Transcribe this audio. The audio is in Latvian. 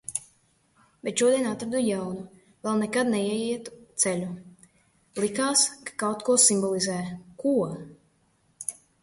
Bet šodien atradu jaunu, vēl nekad neietu ceļu. Likās, ka kaut ko simbolizē. Ko?